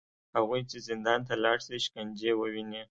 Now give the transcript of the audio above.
هغوی چې زندان ته لاړ شي، شکنجې وویني